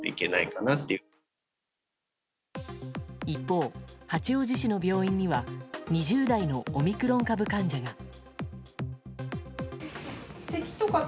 一方、八王子市の病院には２０代のオミクロン株患者が。